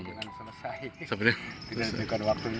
tidak ada keadaan waktunya